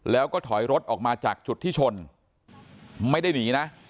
แล้วก็ถอยรถออกมาจากจุดที่ชนไม่ได้หนีนะ